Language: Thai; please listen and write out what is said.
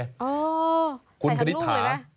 อ๋อใส่ทั้งลูกเลยนะคุณคณิตา